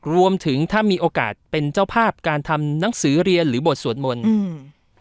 รวมถึงถ้ามีโอกาสเป็นเจ้าภาพการทำหนังสือเรียนหรือบทสวดมนต์อืม